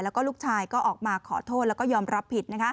แล้วก็ลูกชายก็ออกมาขอโทษแล้วก็ยอมรับผิด